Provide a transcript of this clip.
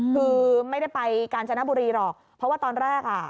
คือไม่ได้ไปกาญจนบุรีหรอกเพราะว่าตอนแรกอ่ะ